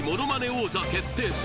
王座決定戦